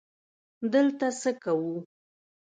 _دلته څه کوو؟